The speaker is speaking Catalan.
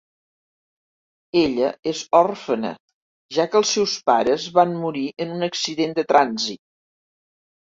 Ella és òrfena, ja que els seus pares van morir en un accident de trànsit.